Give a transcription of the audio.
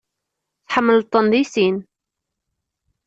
Tḥemmleḍ-ten deg sin.